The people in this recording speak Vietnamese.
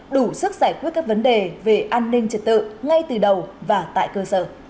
đủ sức giải quyết các vấn đề về an ninh trật tự ngay từ đầu và tại cơ sở